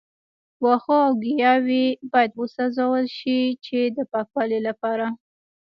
وښه او ګیاوې باید وسوځول شي د پاکوالي لپاره.